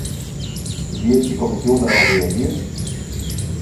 Wird die Kommission darauf reagieren?